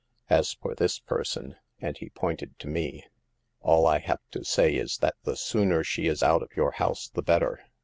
As for this person," and he pointed to me, *'all I have to say is that the sooner she is out of your house the better."